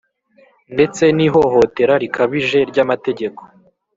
ndetse n'ihohotera rikabije ry'amategeko